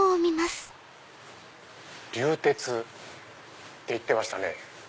流鉄って言ってましたね。